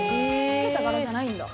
付けた柄じゃないんだ。